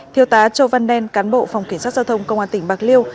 thiếu tá châu văn nen cán bộ phòng cảnh sát giao thông công an tỉnh bạc liêu